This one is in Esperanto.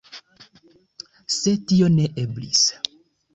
Sed tio ne eblis.